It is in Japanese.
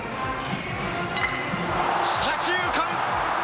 左中間。